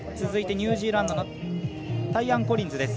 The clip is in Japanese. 続いてニュージーランドのタイアン・コリンズ。